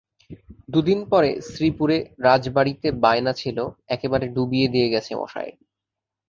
দুদিন পরে শ্রীপুরে রাজবাড়িতে বায়না ছিল, একেবারে ডুবিয়ে দিয়ে গেছে মশায়।